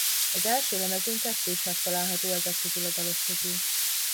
Az első lemezén kettő is megtalálható ezek közül a dalok közül.